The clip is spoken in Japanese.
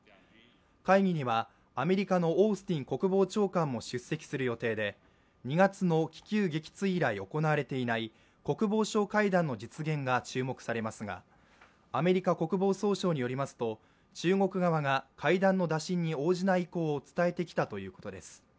会議にはアメリカのオースティン国防長官も出席する予定で２月の気球撃墜以来、行われていない国防相会談の実現が注目されますがアメリカ国防総省によりますと、中国側が会談の打診に応じない意向を伝えてきたということです。